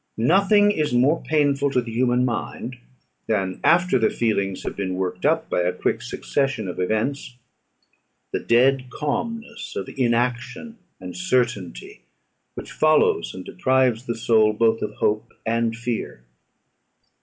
Nothing is more painful to the human mind, than, after the feelings have been worked up by a quick succession of events, the dead calmness of inaction and certainty which follows, and deprives the soul both of hope and fear.